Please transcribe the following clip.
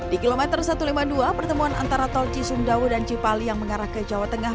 di kilometer satu ratus lima puluh dua pertemuan antara tol cisumdawu dan cipali yang mengarah ke jawa tengah